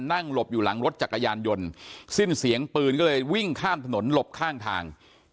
หลบอยู่หลังรถจักรยานยนต์สิ้นเสียงปืนก็เลยวิ่งข้ามถนนหลบข้างทาง